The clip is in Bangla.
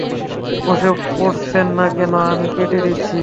বসে পড়ছেন না কেনো, আমি কেটে দিচ্ছি।